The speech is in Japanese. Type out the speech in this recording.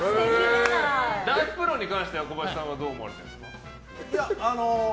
ダーツプロに関して小林さんはどう思われてるんですか？